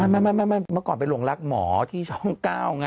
ไม่มาก่อนเป็นหลวงรักหมอที่ช่องเก้าไง